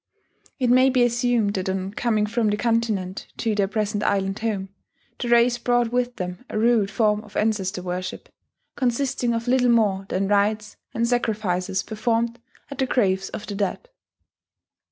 It may be assumed that on coming from the continent to their present island home, the race brought with them a rude form of ancestor worship, consisting of little more than rites and sacrifices performed at the graves of the dead.